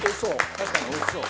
確かにおいしそう。